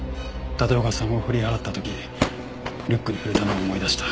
立岡さんを振り払った時リュックに触れたのを思い出した。